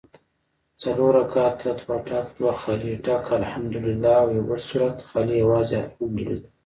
څلور رکعته دوه ډک دوه خالي ډک الحمدوالله او یوبل سورت خالي یوازي الحمدوالله